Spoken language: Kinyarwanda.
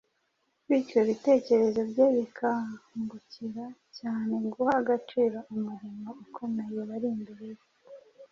bityo ibitekerezo bye bikangukira cyane guha agaciro umurimo ukomeye wari imbere ye.